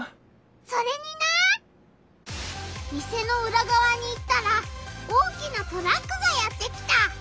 それにな店のうらがわに行ったら大きなトラックがやって来た！